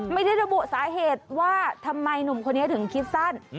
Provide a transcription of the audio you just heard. ไม่ได้ระบุสาเหตุว่าทำไมหนุ่มคนนี้ถึงคิดสั้น